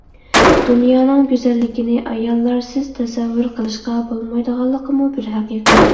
دۇنيانىڭ گۈزەللىكىنى ئاياللارسىز تەسەۋۋۇر قىلىشقا بولمايدىغانلىقىمۇ بىر ھەقىقەت.